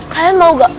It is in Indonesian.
kalian mau gak